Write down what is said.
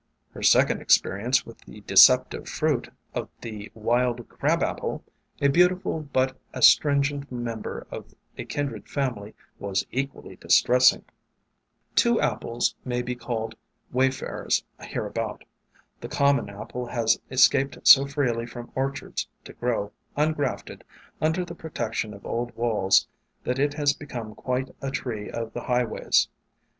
Her second experience with the deceptive fruit of the Wild Crab Apple, a beautiful but astringent member of a kindred family, was equally distressing. WAYFARERS 279 Two Apples may be called wayfarers hereabout. The common Apple has escaped so freely from orchards, to grow, ungrafted, under the protection of old walls that it has become quite a tree of the high ways.